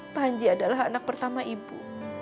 panji adalah anak pertama ibu